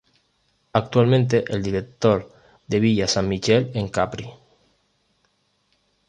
Actualmente el Director de Villa San Michele en Capri.